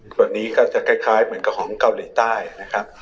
ส่วนนี้ก็จะคล้ายเหมือนกับของเกาหลีใต้นะครับ